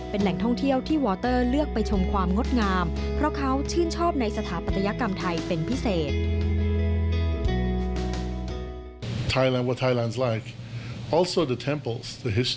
เป็นแหล่งท่องเที่ยวที่วอเตอร์เลือกไปชมความงดงามเพราะเขาชื่นชอบในสถาปัตยกรรมไทยเป็นพิเศษ